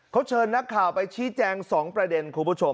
เขาเชิญนักข่าวไปชี้แจงสองประเด็น